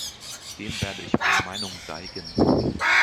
Dem werde ich meine Meinung geigen.